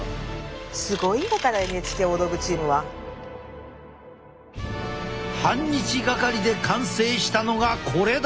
すごいんだからＮＨＫ大道具チームは。半日掛かりで完成したのがこれだ！